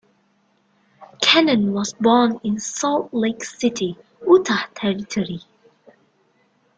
Cannon was born in Salt Lake City, Utah Territory.